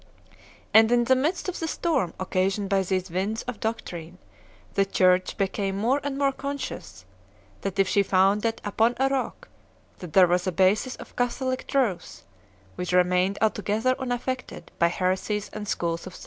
And in the midst of the storm occasioned by these winds of doc trine, the Church became more and more conscious that if she founded upon a Rock, that there was a basis of Catho lic Truth which remained altogether unaffected by heresies and schools of thought.